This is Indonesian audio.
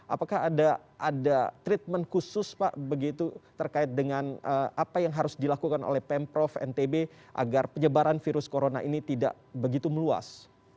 apakah ada treatment khusus pak begitu terkait dengan apa yang harus dilakukan oleh pemprov ntb agar penyebaran virus corona ini tidak begitu meluas